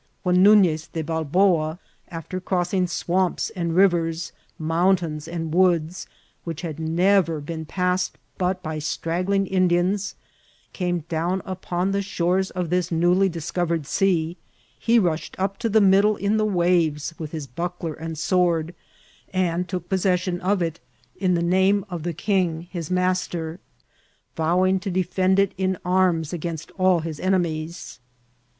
When Nunez de Balboa, after crossing swamps and rivers, mountains and woods, which had never been passed but by strag^ing Indians, came down upon the shores of this newly discovered sea, he rushed up to the middle in the waves with his buckler and sword, and took possession of it in the name of the king his master, vowing to defend it in arms against all his enemies.